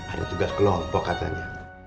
ada tugas kelompok katanya